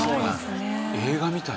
映画みたいな。